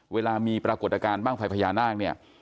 เวลามีปรากฏการณ์บ้างไฟพญานาคเนี่ย